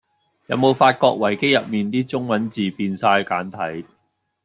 有無發覺維基入面啲中文字變哂簡體?